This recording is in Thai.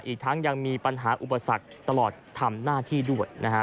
อีกทั้งยังมีปัญหาอุปสรรคตลอดทำหน้าที่ด้วยนะฮะ